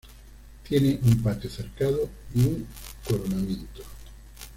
Tiene un patio cercado y un coronamiento.